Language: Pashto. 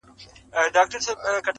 په څپو کي ستا غوټې مي وې لیدلي؛